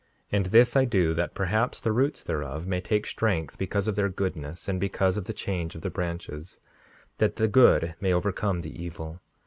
5:59 And this I do that, perhaps, the roots thereof may take strength because of their goodness; and because of the change of the branches, that the good may overcome the evil.